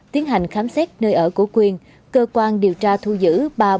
tiến hành khám xét nơi ở của quyền cơ quan điều tra thu giữ bắt giữ